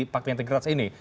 pak tengah tenggeras ini